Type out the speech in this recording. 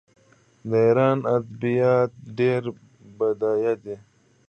د ایران ادبیات ډیر بډایه دي.